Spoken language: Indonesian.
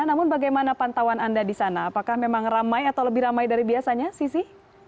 namun bagaimana pantauan anda di sana apakah memang ramai atau lebih ramai dari biasanya sisi